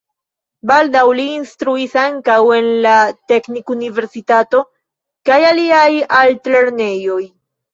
Baldaŭ li instruis ankaŭ en la Teknikuniversitato kaj aliaj altlernejoj.